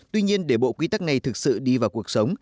tuy nhiên để bộ quy tắc này thực sự đi vào cuộc sống